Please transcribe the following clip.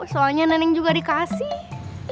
soalnya neneng juga dikasih